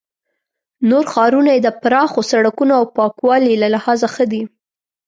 نور ښارونه یې د پراخو سړکونو او پاکوالي له لحاظه ښه دي.